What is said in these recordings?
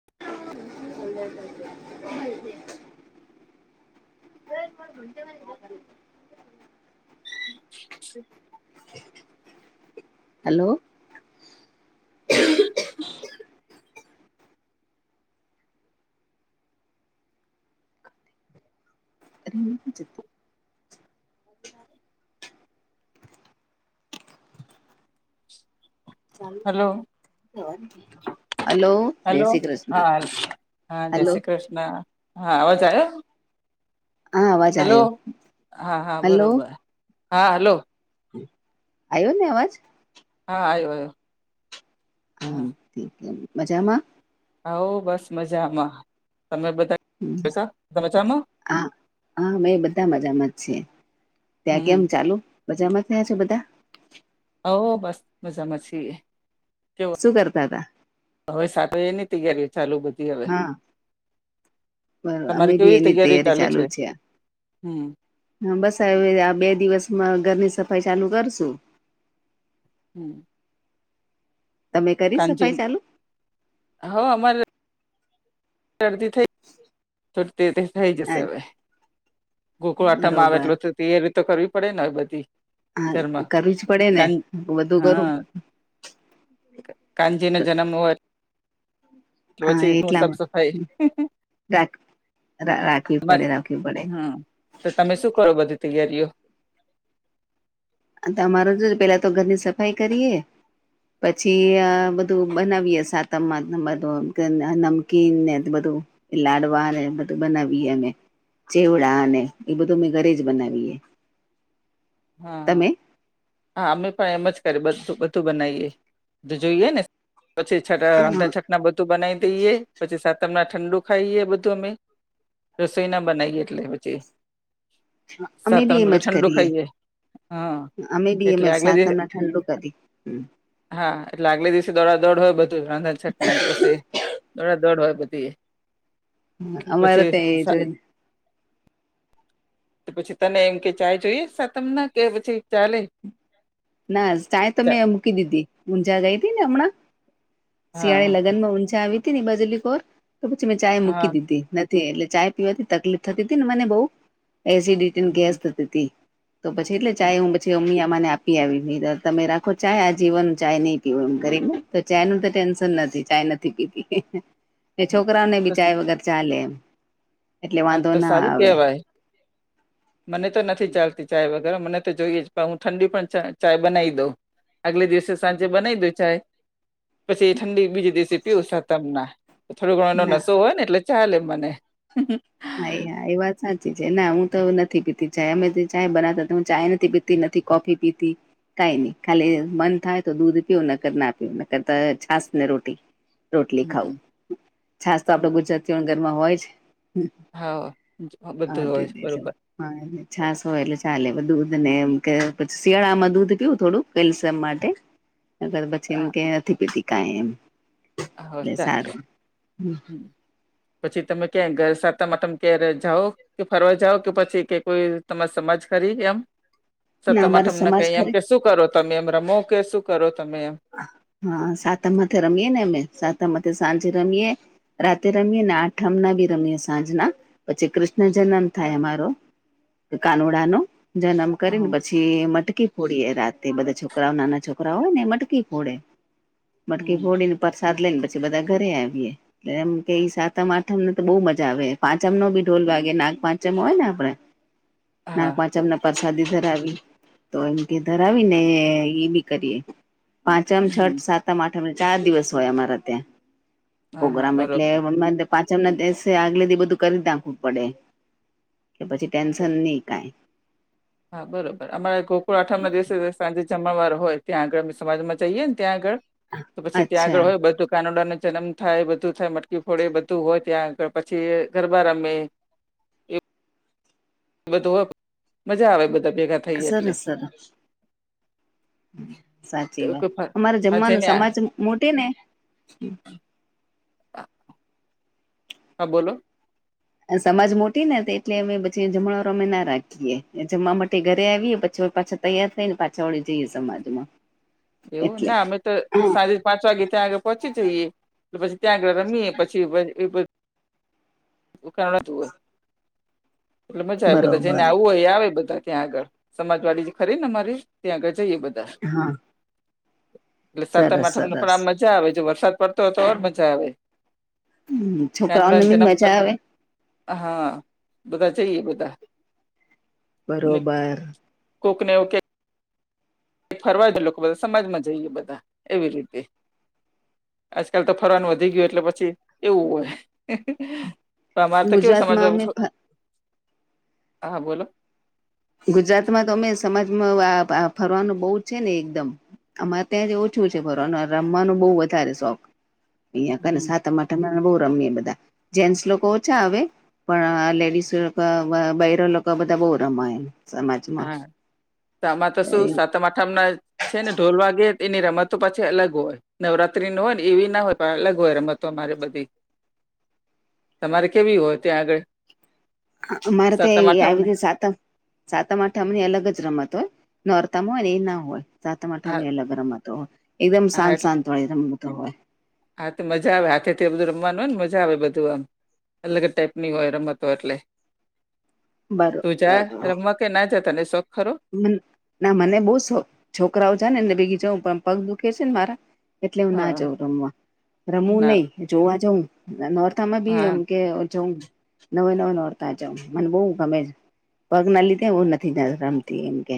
[inaudible] [inaudible] Hello. [inaudible] [unintelligible] [inaudible] Hello hello. જય hello Shri Krishna હા હા જય હલો શ્રી કૃષ્ણ હા આવાજ આયો હા અવાજ હલો આવ્યો હા હા બરાબર હા હલો. આયો ને અવાજ હા આયો આયો [unintelligible] મજામાં હઓ બસ મજામાં તમે બધા મજામાં હ હા મેં બધા મજામાં જ છીએ. ત્યાં હમ કેમ ચાલુ બજારમાં ગયા છો બધા ઓ બસ મજામાં છીએ કેવું શું કરતા હતા હવે સાત એની જ ત્યારી ચાલુ બધી હવે હા બર અમે તમારી બી કેવી એની તૈયારી ચાલુ છે હમ્મ હમ્મ બસ હ આ બે દિવસમાં ઘરની સફાઈ ચાલુ કરશુ હમ્મ તમે કરી સફાઈ ચાલુ [unintelligible] હ અમારે રશરદી થઈ થો તે રીતે થઈ હા જશે હવે ગોકળ આટામાં આવે બરોબર એટલે તો ત્યારી તો કરવી પડે ને હવે બધી હા ઘરમાં કરવી જ પડે ને કાન બધું કરું હનજી નો જનમ હોય એટલે હા પછી હું સાફ સફાઈ એટલામાં રાક રાખવી પડે રાખવી પડે હા તો તમે શું કરો બધી તૈયારીઓ તમારે જો પેલા તો ઘરની સફાઈ કરીએ પછી આ બધું બનાવીયએ સાતમ આઠમ બધું નમકીન ને બધું લાડવા અને બધું બનાવીએ અમે ચેવડા અને એ બધું અમે ઘરે જ બનાવીએ હા તમે હા અમે પણ એમ જ કરી બું બધું બનાવીએ બધું જોઈએ ને પછી છે તે હા રાંધન છ ના બધું બનાવી દઈએ પછી સાતમ ના ઠંડુ ખાઈએ બધું અમે રસોઈના બનાવીએ એટલે પછી અમે સાતમ બી એમ બધું જ ઠંડુ કરીએ ખાઈએ હા અમે બી એમ એટલે જ આગલે દિવસ સાતમને ઠંડુ કરીયે હમ્મ હા એટલે આગલે દિવસે દોડા દોડ હોય બધું રાંધાન છઠ ના દિવસે દોડા દડ હોય પછી અમારે પછી તો એ તો પછી તને એમ કે ચાય જોઈએ સા તમને કે પછી ચાલે ના ચા તો મેં મૂકી દીધી ઊંઝા ગઈ હતી ને હમણાં શિયાળે હા લગન માં ઊનજા આવી હતી ને બાજલી કોોર તો પછી મેં ચાય હા મૂકી દીધી થી એટલે ચાય પીવાથી તકલીફ થતી હતી ને મને બહ એસિડિટીને હમ, ગેસ થતી હતી તો પછી એટલે હમ, ચાય હું પછી અમા અમાને આપ પીવી આવી [unintelligible] તમે રાખો ચાય આ જીવનનું ચાય નહી પીવો એમ ગરીબ તો ચાય નું તો ટેન્શન નથી ચાય ને તો હમ. છોકરાઓને તો બી ચાય વગર ચાલેે એમ એટલે હા વાંધો તો ના સારું આવે કેવાય મને તો નથી ચાલતી ચાય વગેરે મને તો જોઈએ જ પણ હું ઠંડી પણ ચા ચાય બનાવી દઉં આગલે દિવસે સાંજે બનાવી દય ચાય પછી ઠંડી બીજ દિવસે પીવું સાતમ ના થોડો ઘણો એનો ના નસો હોય ને એટલે ચાલે મને હા એ હા એ વાત સાચી છે ના હું તો નથી પીતી ચાય અમે જે ચાય બનાતા હું ચાય નથી પી તી નથી કોફી પીતી કઈ નહી ખાલી મન થાય તો દૂધ પીવ નકર ના પીવ નકરતા છાસ ને રોટી રોટલી હમ, ખાવું છાસ તો હમ. આપડ ગુજરાતીઓ ના ઘરમાં હોય જ હા હા બધું હોય દધી બરોબર હા એ છાસ હો એટલે ચાલે દૂધ ને એમ હમ, કે પછી શિયાળામાં દૂધ પીવું થોડુંક કેલ્શિયમ માટે. નકર પછી એમ હા કે નથી પીતી. કાંઈ એમ, હા, એટલે ચાલે સારું. હમ્મ. હમ. પછી તમે ક્યાંય ઘર સાતમ આઠમ ક્યારે જાઓ? કે ફરવા જાવ કે પછી કે કોઈ તમાર સમાજ કરી એમ. ના સતમ અમારે આઠમને સમાજ કાંઈ એમ ખરે કે શું કરો તમે એમ રમો કે શું કરો તમે એમ? હા. સાતમથે રમીએ ને અમે. સાતમથે સાંજે રમીએ. રાતે રમીએ ને આઠમ ના ભી રમીએ સાંજના. પછી કૃષ્ણ જન્મ થાય અમારો. તો કાનુડાનો જન્મ કરી ન હા પછી એ મટકી ફોડીએ રાતે, બધા છોકરાઓ નાના છોકરાઓ હોય ને એ મટ કી ફોડે. મટકી હમ ફોડીન પરસાદ લઈન પછી બધા ઘરે આવીએ. એમ કેઈ સાતમ આઠમ ને તો બહુ મજા આવે, પાંચમ નો ભી ઢોલ વાગે, નાગ પાંચમ હોય ને આપડે. [inaudible] હા નાગ પાંચમ ના પ્રસાદી ધરાવી, તો તે ધરાવીને એ બી કરીએ. પાંચમ, હમ છઠ, સાતમ, આઠમ ચાર દિવસ હોય અમારે ત્યાં. હા હા પોગ્રામ એટલે બરોબર મન તો પાંચમ ના દિવસે આગલે દી બધું કરી જ નાખવું પડે. કે પછી ટેન્શન નહીં કાંઈ. હા બરોબર. અમારા ગોકુળ આઠમના દિવસે [unintelligible] સાંજે જમણવાર હોય, ત્યાં આગળ અમે સમાજમાં જઈએ ને ત્યાં આગળ તો પછી ત્યાં અચ્છા આગળ હોય. બધું કાનડાનો જન્મ થાય, બધું થાય, મટકી ફોડે, બધું હોય ત્યાં આગળ, પછી ગરબા રમે. ઈ બધું હોય. મજા આવે બધા ભેગા હા થઈએ એટલે સરસ સર. સાચી વાત. અમારે હા જમવાનું જેને હા સમાજ મોટે ને હા બોલો. આ સમાજ મોટી ને તો એટલે અમે પછી જમણવાર અમે ના રાખીએ, ને જમવા માટે ઘરે આવીએ પછી પાછા તૈયાર થઈ ને પાછા વળી જઈએ સમાજમાં. એવું! એટલે ના અમે તો સારી પાંચ વાગે ત્યાં આગળ પહોંચી જઈએ, ને પછી ત્યાં આગળ રમીએ પછી [unintelligible] [unintelligible] હોય, એટલે મજા આવે. બધા જેને બરોબર આવું હોય ઈ આવે બધા ત્યાં આગળ. સમાજવાડી જે ખરી ને અમારી ત્યાં આગળ જઈએ બધ હા. એટલે સાતમ સરસ આઠમને પણ સરસ આમ મજા આવે, જો વરસાદ પડતો હોય તો ઓર મજા આવે. હમ્મ. છોકરાઓ કાનુડા બી જન્મ મજા આવે. હા. બધા જઈએ બધા. ને બરોબર. કોકને એવું કે [unintelligible] ફરવા લોકો બધા સમાજમાં જઈએ બધા એવી રીતે. આજકાલ તો ફરવાનું વધી ગયું, એટલે પછી એવું હોય. તો અમારે તો કેવું સમાજ ગુજરાતમાં અમે ફ [unintelligible] હા બોલો. ગુજરાતમાં તો અમે સમાજમાં આ-આ ફરવાનું બહુ જ છે ને એકદમ. અમારે ત્યાં જે ઓછું છે ફરવાનું, આ રમવાનું બહું વધારે શોખ. અહિયાં કને હમ સાતમ આ ઠમ માં બહું રમીએ બધા. જેન્ટસ લોકો ઓછા આવે પણ આ લેડીસ લોકો બ-બ બૈરા લોકો બધા બહુ રમાઈ. હા. તો આમાં તો શું સાતમ આઠ ઠમના છે ને ઢોલ વાગે એની રમતો પાછી અલગ હોય. નવરાત્રી ન હોય ને એવી ના હોય પણ અલગ હોય રમતો અમારે બધી તમારે કેવી હોય ત્યાં આગળ અ અમારે ત્યાં સાતમ એવી આ આઠમ ને રીતે સાતમ સાતમ આઠમની અલગ જ રમત હોય નોરતામાં હોય ને એ ના હોય સાતમ હા આઠમની અલગ રમતો હોય એકદમ હા શાંત એટલે શાંત વાળી રમતો હોય. હા તો મજા આવે હાથે થી બધું રમવાનું હોયને મજા આવે બધું આમ અલગ જ ટાઈપ ની હોય રમતો હોય એટલે તું જા બરોબર રમવા કે ના જા તને શોખ ખરો ના મને બહુ શોક છોકરાઓ જા નેને ભેગી જઉ પણ પગ દુખે છે ને મારા એટલે હું ના હા જઉં રમવા રમું ના નહી જોવા જઉં ના નોરતામાં બી હા એમ કે જઉ. નવે નવે નોરતા જઉ મને બહુ ગમે છે પગ ના લીધે હું નથી અ રમતી એમ. કે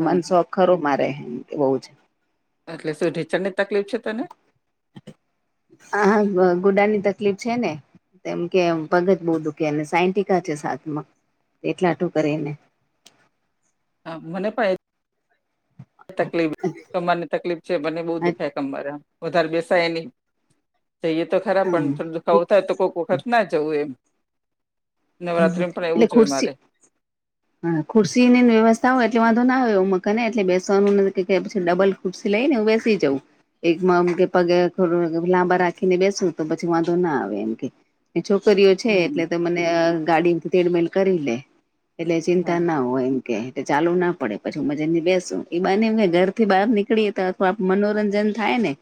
હા શોખ ખરું મારે કે બઉજ. એટલે શું ઢીચણ ની તકલીફ છે તને હા વુ ગુડાની તકલીફ છે ને. તેમકે એમ પગજ બહુ દુખે અને સાયન્ટિકા છે સાથમાં એટલા હાટુ કરીને હા મને પણ એજ. તકલીફ કમર ને તકલીફ છે મને બહુ દુખે કમરાઆ વધારે બેસાય નહી જઈએ તો ખરા પણ થોડું દુખ આવું એટલે થાય તો કોક વખત ના જવું એમ નવરાત્રીમાં પણ એવું જ હોય ખુરશી મારે હા ખુરશી ની ને વ્યવસ્થા હોય એટલે વાંધો ના આવે ઉમાકને એટલે બેસવાનું કે કાય પછી ડબલ ખૂરસી લઈને હું બેસી જઉું. એકમા આમ પગે લાંબા રાખીને બેસું તો પછી વાંધો ના આવે એમ કે. છોકરીઓ છે હમ એટલે તે મને અ ગાડીથી તેડમેલ કરીલે. એટલે હા ચિંતા ના હોય એમ. કેહતે ચાલુ ના પડે પછી ઉમા જઈ બેસું ઈ બહાને અમે ઘર થી બહાર નીકળી તા પણ મનોરંજન થાય ને.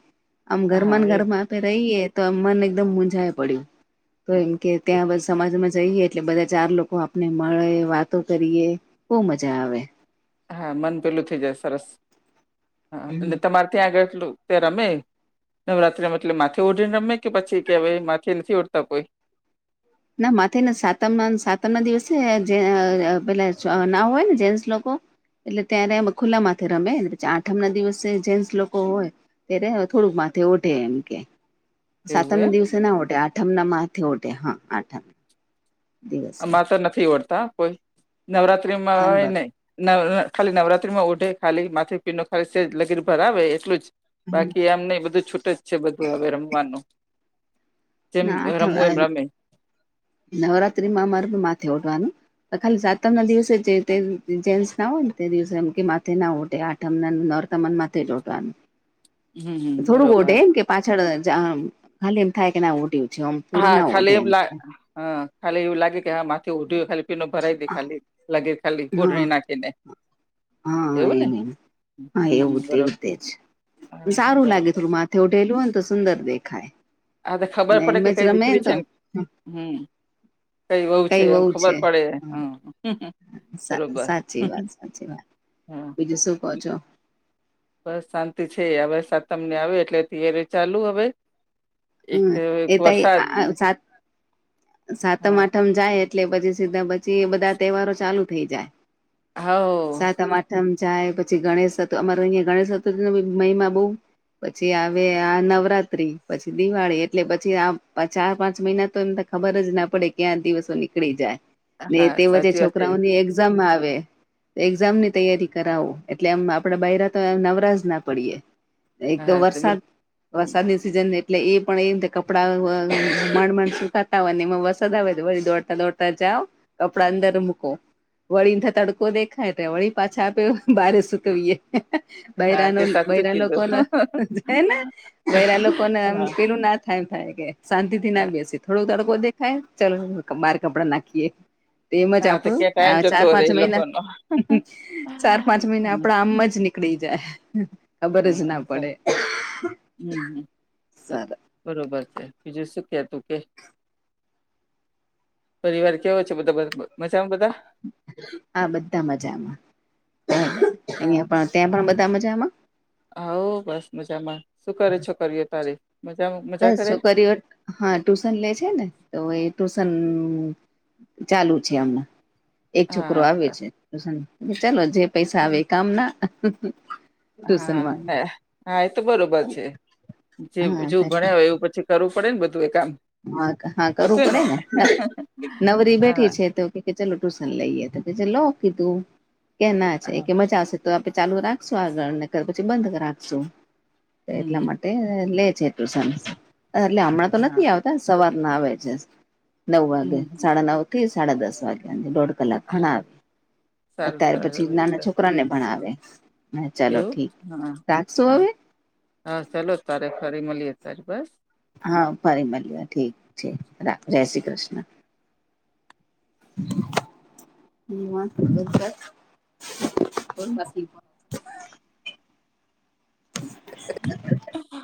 આમ હા ઘરમાં એ ઘરમાં આપે રહીએ તો આ મન એકદમ મુંઝાય પડ્યું. તો એમ કે ત્યાં બ સમાજમાં જઈએ. એટલે બધા ચાર લોકો આપને મળે વાતો કરીએ બહુ મજા આવે. હા મન પેલું થઈ જાય સરસ હા અને તમારે ત્યાં આગળ એટલું તે રમે નવરાત્રી મતલબ માથે ઓઢીને રમે કે પછી કહેવાય માથે નથી ઓઢતા કોઈ ના માથે ને સાતમ સાતમ ના દિવસે જે અ પેલા ના હોય ને જેન્સ લોકો એટલે ત્યારે અમે ખુલ્લા માથે રમે પછી આઠમ ના દિવસે જેન્સ લોકો હોય ત્યારે હવે થોડુંક માથે ઓઢે એમ કે. એવું સાતમ ના એમ દિવસે ના ઓઢે આઠમ ના માથે ઓઢે હા આઠમ દિવસે અમાર તો નથી ઓઢતા કોઈ નવરાત્રીમાં હોય આંબર નહીં નવ અ ખાલી નવરાત્રી માં ઓઢે ખાલી માથે પીનુ ખાલી સેજ લગીર ભરાવે એટલું જ બાકી આમ નહિ બધું છૂટ જ છે બધું હવે રમવાનું જેમ ના આઠમ અ રમવું એમ રમે નવરાત્રી માં અમાર માથે ઓઢવાનું અ ખાલી સાતમ ના દિવસે જે તે જેન્સ ના હોય ને તે દિવસે એમ કે માથે ના ઓઢે આ. તમને નોરતાં મ માથે જ ઓઢવાનું. હમ હમ થોડુંક બરોબર ઓઢે એમ કે પાછળ જ આમ ખાલી એમ થાય કે ના ઓઢ્યું છે ઓમ હા ખાલી એવું લાગ. હા ખાલી એવું લાગે કે હા માથે ઓઢિયુ ખાલી પીનો ભરાય દે ખાલી લગીર ખાલી હા ઓઢડી નાખી દે. હા એમ એમ હા હમ હમ એવું બરોબર તેવું તેજ હા હા સારું લાગે બરોબર થોડું મા થે ઓઢેલું હોય ને તો સુંદર દેખાય આ તો ખબર ને પડે એમ કે કઈ જ રમે ને દીકરી તો છે હમ કઈ બહું છે એમ ખબર પડે હ સા સાચી વાત સાચી વાત હા બીજું શું કહો છો બસ શાંતિ છે આવે સાતમને આવે એટલે થઇરી ચાલુ હવે હ એક એ ત વરસાદ સાત સાતમ હા આઠમ જાય એટલે પછી સીધા પછી એ બધા તહેવારો ચાલુ થઇ જાય હાવ સાતમ આઠમ જાય પછી ગણેશ ચતુર અમાર અહીયા ગણેશ ચતુર્થી મહિમા બહુ પછી આવે આ નવરાત્રી પછી દિવાળી એટલે પછી આ ચાર પાંચ મહિના તો એમ ત ખબર જ ના પડે ક્યાં દિવસો નીકળી જાય ને હા તે વચ્ચે સાચી વાત છે છોકરાઓની એક ઝામ આવે એક્ઝામ ની તૈયારી કરાવો એટલે એમ આપડા બયરા તો નવરાજ ના પડીએ એક તો હા વરસાદ બિલકુલ વરસાદની સિઝન ને એટલે એ પણ એ કપડાં માંડ માંડ સુતા ની એમાં વસદ આવે દોડતા દોડતા જાવ કપડા અંદર મૂકો વળી ને તડકો દેખાય ત વળી પાછા આપે બારે સુકવીએ હા બયરા નો તે સાચું બયરા કીધું લોકોનો છે ને બયરા લોકોને એમ હા પેલું ના થાયમ થાય કે શાંતિ થી અ, ના બેસી થોડો તડકો દેખાય ચલો બાર કપડા નાખીએ તેમજ હા તો આપડુ ક્યાં ટાઈમ આ ચાર જતો રે પાંચ એ મહિના લોકોનો. ચાર પાંચ મહિના આપડા આમ જ ની થી જાય ખબર જ ના પડે હમ્મ સરસ બરોબર છે બીજું શું કેતો કે પરિવારમાં કેવો છે બધા બરાબર મજામાં બધા? હા બધા મજામાં હમ્મ અહિંયા પણ ત્યાં પણ બધા મજામાં? હવ બસ મજામાં શું કરે છોકરીઓ તારી? મજામાં મજા બસ કરે છોકરીઓ હા ટુશન લે છે ને તો એ ટુશન ચાલુ છે અમણાં એક છોકરો હા આવે અચ્છા. છે ટ્યુશન ચાલો જે પૈસા આવે કામ ના ટ્યુશનમાં હા હા એ તો બરોબર છે જે હા જો ભણ્યા હોય એવું પછી કરૂ પડે ને બધું એ કામ હા હા કરવું પડે ને નવરી બેઠી હા છે તો કે કે ચલો ટ્યુશન લઈએ તો કે ચલો કીધું કેના છે હા કે મજાશે આવશે તો આપે ચાલુ રાખશું આગળ પછી બંધ રાખશું એટલા હમ્મ માટે તે લે છે ટ્યુશન એટલે અમણાં તો હા નથી આવતા સવારના આવે છે. નવ વાગે હમ્મ સાડા નવથી સાડા દસ વાગ્યા દોડ કલાક હા ભણાવે સારું અત્યારે પછી સારું નાના છોકરાને ભણાવે. હા ચાલો એવું ઠીક હા રાખશો હા અવે હા ચાલો તારે ફરી મળીએ તરી બસ હા ફરી મળીએ ઠીક છે રા જય શ્રી કૃષ્ણ. [inaudible] [inaudible] [inaudible] [inaudible]